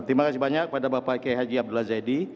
terima kasih banyak kepada bapak kei haji abdulazadi